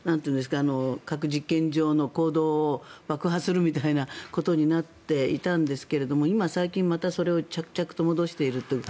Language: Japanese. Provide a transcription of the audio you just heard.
核実験場の坑道を爆破するということになっていたんですが今、最近またそれを着々と戻しているという。